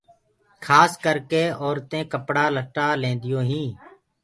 کاس ڪرِڪي اورتينٚ ڪپڙآ لٽآ ليديٚونٚ هينٚ